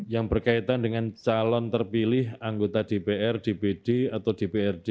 yang berkaitan dengan calon terpilih anggota dpr dpd atau dprd